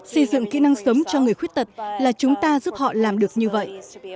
xây dựng kỹ năng sống cho người khuyết tật là chúng ta giúp họ làm được như vậy